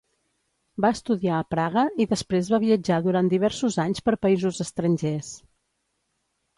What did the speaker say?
Va estudiar a Praga i després va viatjar durant diversos anys per països estrangers.